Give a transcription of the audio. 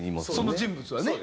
その人物はね。